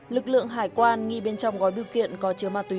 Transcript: lực lượng hải quan nghi bên trong gói biểu kiện có chứa ma túy